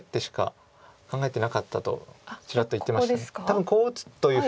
多分こう打つというふうに。